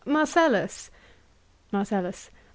— Marcellus? MARCELLUS.